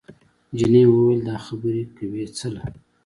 جینۍ وویل دا خبرې کوې څله؟